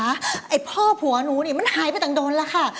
ไอ่พ่อผัวนู้นมันหายไปต่างโดรนละค่ะ